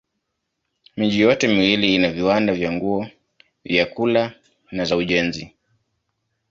Miji yote miwili ina viwanda vya nguo, vyakula na za ujenzi.